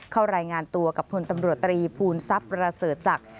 เข้ารายงานตัวกับพลตำรวจตรีภูทรทรัศจักร